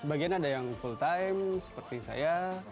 sebagian ada yang full time seperti saya